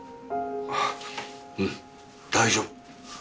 あっうん大丈夫。